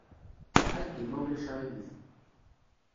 Ɛeddi, ma ulac aɣilif.